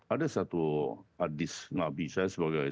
ada satu hadis nabi saya sebagai